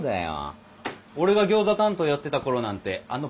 俺がギョーザ担当やってた頃なんてあの倍は客が来たぜ。